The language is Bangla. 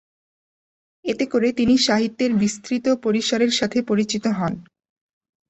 এতে করে তিনি সাহিত্যের বিস্তৃত পরিসরের সাথে পরিচিত হন।